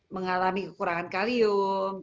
mengalami kekurangan kalium